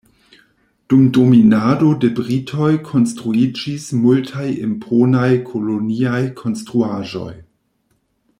Dum dominado de britoj konstruiĝis multaj imponaj koloniaj konstruaĵoj.